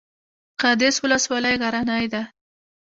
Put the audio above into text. قادس ولسوالۍ غرنۍ ده؟